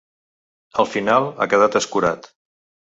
Al final, ha quedat escurat.